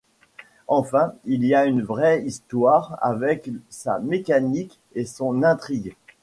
Enfin, il y a une vraie histoire avec sa mécanique et son intrigue.